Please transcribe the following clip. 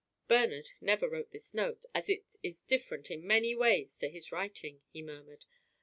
"Bernard never wrote this note, as it is different in many ways to his writing," he murmured.